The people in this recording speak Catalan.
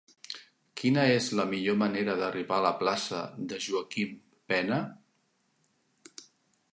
Quina és la millor manera d'arribar a la plaça de Joaquim Pena?